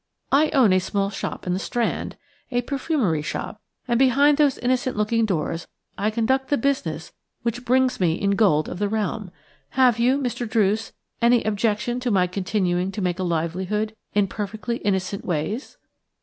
I own a small shop in the Strand – it is a perfumery shop – and behind those innocent looking doors I conduct that business which brings me in gold of the realm. Have you, Mr. Druce, any objection to my continuing to make a livelihood in perfectly innocent ways?"